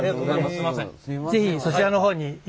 すいません。